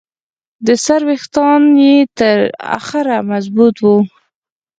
د سر ویښته یې تر اخره مضبوط وو.